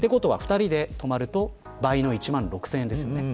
２人で泊まると倍の１万６０００円ですよね。